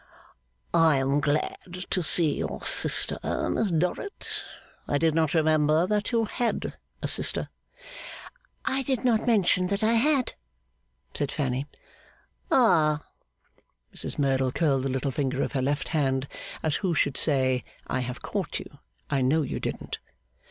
'I am glad to see your sister, Miss Dorrit. I did not remember that you had a sister.' 'I did not mention that I had,' said Fanny. 'Ah!' Mrs Merdle curled the little finger of her left hand as who should say, 'I have caught you. I know you didn't!